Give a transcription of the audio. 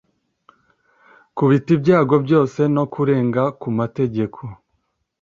kubita ibyago byose no kurenga ku mategeko